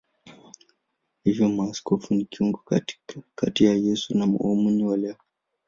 Hivyo maaskofu ni kiungo kati ya Yesu na waumini wa leo.